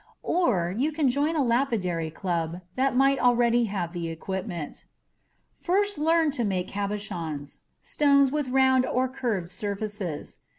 (Or you can join a lapidary club that might already have the equipment). First learn to make cabochons stones with round or curved surfaces.